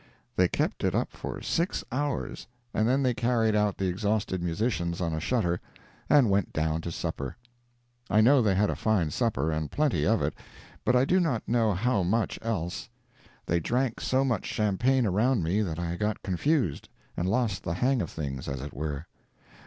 They kept it up for six hours, and then they carried out the exhausted musicians on a shutter, and went down to supper. I know they had a fine supper, and plenty of it, but I do not know much else. They drank so much champagne around me that I got confused, and lost the hang of things, as it were.